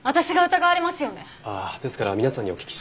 ああですから皆さんにお聞きしていて。